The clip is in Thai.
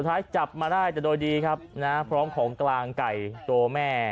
ท้ายจับมาได้แต่โดยดีครับนะพร้อมของกลางไก่ตัวแม่